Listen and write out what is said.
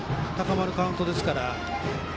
このカウントですから。